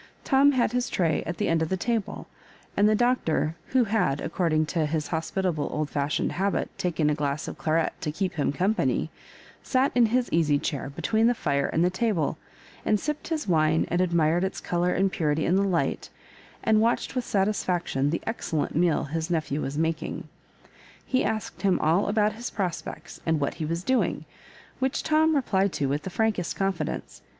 Tom had his tray at the end of the table, and the Doctor, who had, according to his hospitable old fashioned habit, taken a glass of claret to keep him company," sat in his easy chair between the fire and the table, and sipped his wine, and admired its colour and purity in the light, and watched with satis Ikction the excellent meal his nephew was mak ing. He asked him all about his prospects, and what he was doing, which Tom replied to with the frankest confidence.